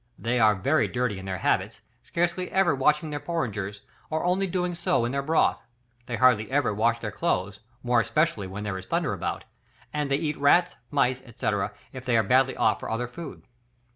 They are very dirty in their habits, scarcely ever washing their porringers, or only doing so in their broth; they hardly ever wash their clothes, more especially "when there is thunder about;" and they eat rats, mice, &c., if they are badly off for other food.